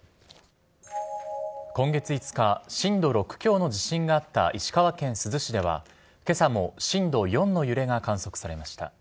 今月５日、震度６強の地震があった石川県珠洲市では、けさも震度４の揺れが観測されました。